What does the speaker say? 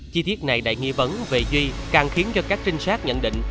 chi tiết này đầy nghi vấn về duy càng khiến cho các trinh sát nhận định